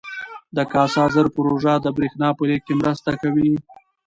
د کاسا زر پروژه د برښنا په لیږد کې مرسته کوي.